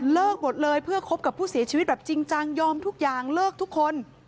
หมดเลยเพื่อคบกับผู้เสียชีวิตแบบจริงจังยอมทุกอย่างเลิกทุกคน